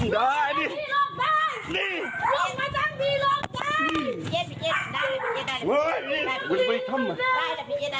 ตามภูเขาเจ๋งในพวก